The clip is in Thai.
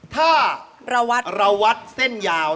ถ้าเราวัดเส้นยาว